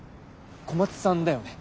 小松さんだよね？